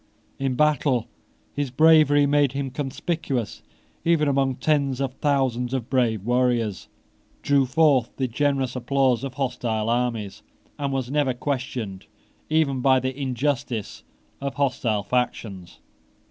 In battle his bravery made him conspicuous even among tens of thousands of brave warriors, drew forth the generous applause of hostile armies, and was never questioned even by the injustice of hostile factions.